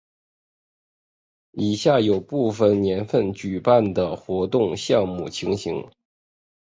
以下有部分年份举办的活动项目情形。